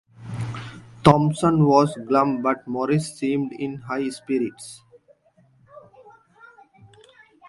Thompson was glum, but Morris seemed in high spirits.